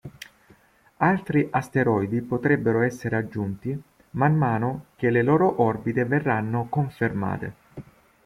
Altri asteroidi potrebbero essere aggiunti man mano che le loro orbite verranno confermate.